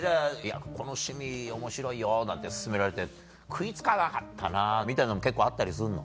この趣味面白いよなんて薦められて食い付かなかったなみたいのも結構あったりするの？